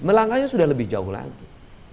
melangkahnya sudah lebih jauh lagi